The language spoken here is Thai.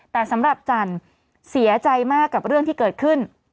แต่สำหรับจันทร์เสียใจมากกับเรื่องที่เกิดขึ้น